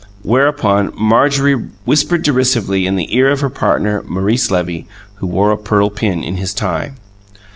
Whereupon Marjorie whispered derisively in the ear of her partner, Maurice Levy, who wore a pearl pin in his tie.